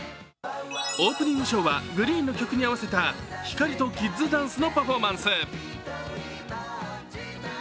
オープニングショーはＧＲｅｅｅｅＮの曲に合わせた光とキッズダンスのパフォーマンス。